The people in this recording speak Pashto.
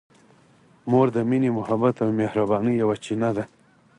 مور د مینې، محبت او مهربانۍ یوه چینه ده.